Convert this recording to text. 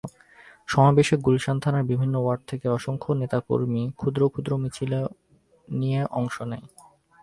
সমাবেশে গুলশান থানার বিভিন্ন ওয়ার্ড থেকে অসংখ্য নেতাকর্মী ক্ষুদ্র ক্ষুদ্র মিছিল নিয়ে অংশ নেয়।